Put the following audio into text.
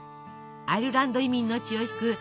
アイルランド移民の血を引くディズニー